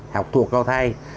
học thuộc câu thai